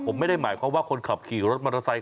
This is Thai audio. ผมไม่ได้หมายความว่าคนขับขี่รถมอเตอร์ไซค์